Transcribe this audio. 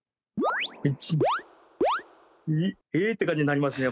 １２えーっ！って感じになりますね